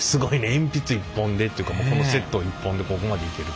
鉛筆一本でっていうかこのセット一本でここまでいけるってね。